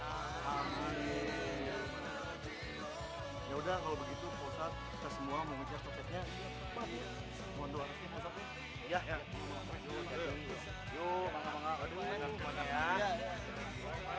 ya udah kalau begitu kalau ustadz kita semua mau mencari copetnya kita tepatnya